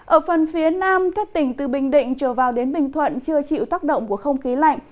ở phần phía nam các tỉnh từ bình định trở vào đến bình thuận chưa chịu tác động của không khí lạnh